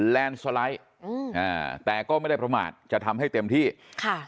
แลนด์สไลด์อืมอ่าแต่ก็ไม่ได้ประมาทจะทำให้เต็มที่ค่ะ